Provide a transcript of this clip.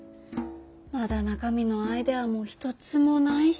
まだ中身のアイデアも一つもないし。